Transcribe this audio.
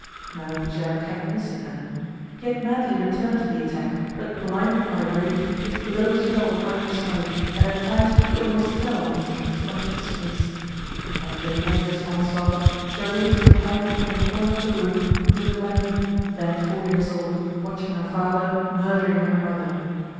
Now Bijard kept missing her. He had madly returned to the attack, but blinded by rage, his blows fell on either side, and at times he almost fell when his kicks went into space. And during all this onslaught, Gervaise beheld in a corner of the room little Lalie, then four years old, watching her father murdering her mother.